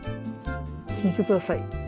聞いてください。